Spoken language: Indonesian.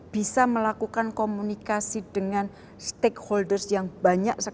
bisa melakukan komunikasi dengan stakeholders yang banyak sekali